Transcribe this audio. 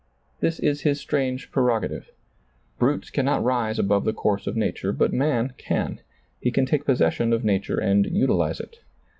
This is his strange prerog ative. Brutes cannot rise above the course of nature, but man can ; he can take possession of nature and utilize it.